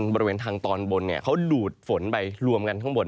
บริเวณทางตอนบนเขาดูดฝนไปรวมกันข้างบน